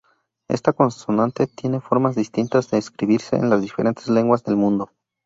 Esta consonante tiene formas distintas de escribirse en las diferentes lenguas del mundo.